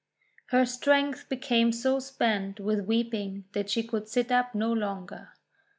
Her strength became so spent with weeping that she could sit up no longer.